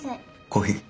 コーヒー。